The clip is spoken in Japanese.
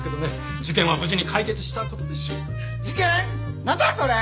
事件は無事に解決したことですし事件⁉何だそれ！